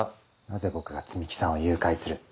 なぜ僕が摘木さんを誘拐する。